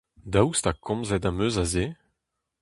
Daoust ha komzet em eus a se ?